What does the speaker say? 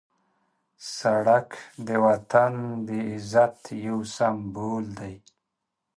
سړک د وطن د عزت یو سمبول دی.